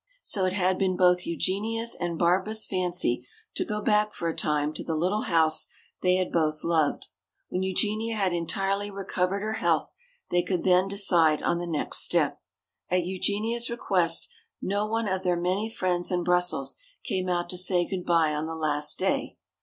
So it had been both Eugenia's and Barbara's fancy to go back for a time to the little house they had both loved. When Eugenia had entirely recovered her health, they could then decide on the next step. At Eugenia's request no one of their many friends in Brussels came out to say good bye on the last day.